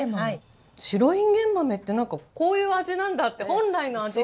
白いんげん豆ってこういう味なんだって本来の味が。